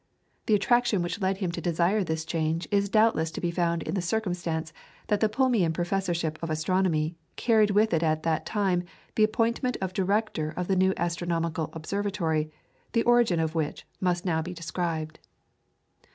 The attraction which led him to desire this change is doubtless to be found in the circumstance that the Plumian Professorship of Astronomy carried with it at that time the appointment of director of the new astronomical observatory, the origin of which must now be described.